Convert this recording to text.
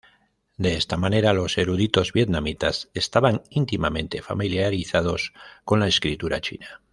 De esta manera, los eruditos vietnamitas estaban íntimamente familiarizados con la escritura china.